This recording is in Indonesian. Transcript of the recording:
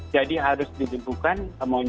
jadi harus didemukan monyetnya